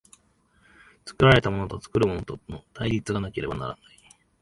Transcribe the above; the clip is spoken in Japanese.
作られたものと作るものとの対立がなければならない。